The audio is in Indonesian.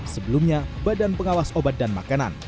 sebelumnya badan pengawas obat dan makanan